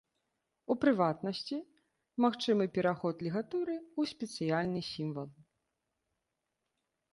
У прыватнасці, магчымы пераход лігатуры ў спецыяльны сімвал.